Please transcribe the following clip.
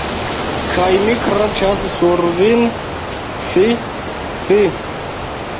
Kaj mi kraĉas sur vin, fi, fi.